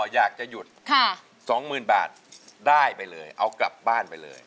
อยากจะหยุด๒๐๐๐บาทได้ไปเลยเอากลับบ้านไปเลย